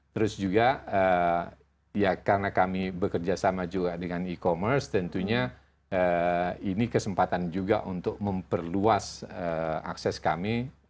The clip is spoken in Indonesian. terus juga ya karena kami bekerja sama juga dengan e commerce tentunya ini kesempatan juga untuk memperluas akses kami